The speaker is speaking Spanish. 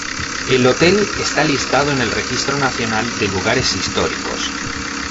El hotel está listado en el Registro Nacional de Lugares Históricos.